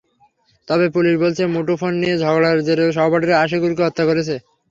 তবে পুলিশ বলছে, মুঠোফোন নিয়ে ঝগড়ার জেরে সহপাঠীরাই আশিকুরকে হত্যা করেছে।